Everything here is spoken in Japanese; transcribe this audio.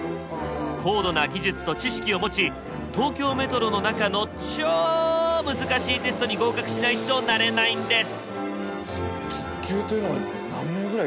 高度な技術と知識を持ち東京メトロの中の超難しいテストに合格しないとなれないんです。